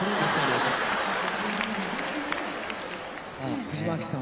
さあ藤牧さん